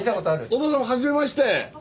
お父様はじめまして。